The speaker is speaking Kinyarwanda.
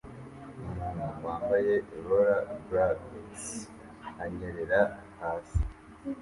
Umuntu wambaye Rollerblades anyerera hasi